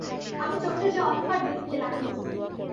আমি চোখে যে অন্ধকার দেখতে লাগলুম।